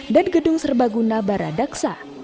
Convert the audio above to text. dan gedung serbaguna baradaksa